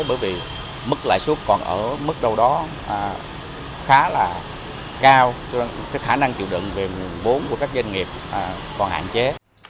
bởi vì mức lãi suất còn ở mức đâu đó khá là cao cho nên khả năng chịu đựng về nguồn vốn của các doanh nghiệp còn hạn chế